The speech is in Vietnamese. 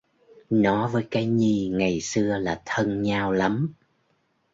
Nó với cái Nhi ngày xưa là thân nhau lắm